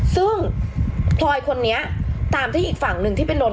ซึ่งพลอยคนนี้